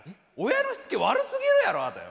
親のしつけ悪すぎるやろあなたよ。